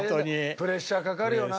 プレッシャーかかるよな。